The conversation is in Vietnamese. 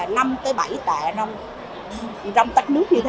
nông tách nông